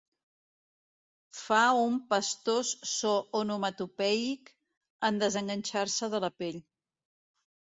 Fa un pastós so onomatopeic en desenganxar-se de la pell.